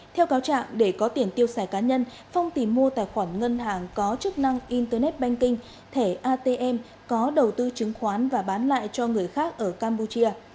theo cáo trạng để có tiền tiêu xài cá nhân phong tìm mua tài khoản ngân hàng có chức năng internet banking thẻ atm có đầu tư chứng khoán và bán lại cho người khác ở campuchia